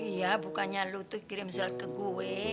iya bukannya lo tuh kirim sel ke gue